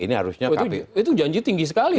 itu janji tinggi sekali